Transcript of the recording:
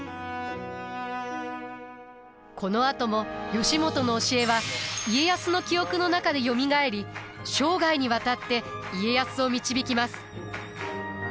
このあとも義元の教えは家康の記憶の中でよみがえり生涯にわたって家康を導きます。